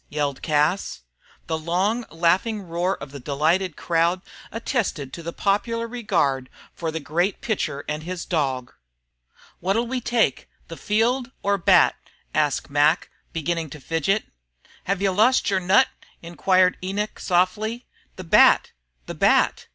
yelled Cas. The long laughing roar of the delighted crowd attested to the popular regard for the great pitcher and his dog. "What'll we take, the field or bat?" asked Mac, beginning to fidget. "Hev you lost your nut?" Inquired Enoch, softly. "Bat! the bat!